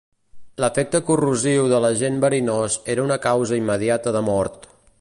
L'efecte corrosiu de l'agent verinós era una causa immediata de mort.